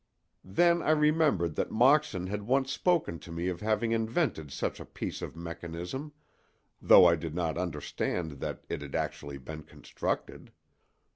Then I remembered that Moxon had once spoken to me of having invented such a piece of mechanism, though I did not understand that it had actually been constructed.